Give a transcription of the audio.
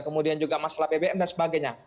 kemudian juga masalah bbm dan sebagainya